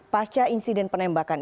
pasca insiden penembakan